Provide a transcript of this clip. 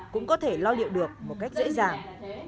cũng có thể lo liệu được một cách dễ dàng